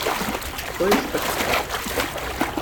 To je šprcka.